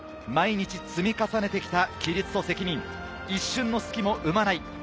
毎日積み重ねてきた規律と責任、一瞬の隙も生まない。